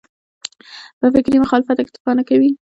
په فکري مخالفت اکتفا کوي.